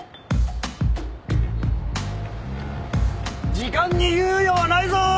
時間に猶予はないぞ！